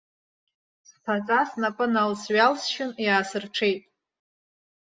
Сԥаҵа снапы налсшь-ҩалсшьын, иаасырҽеит.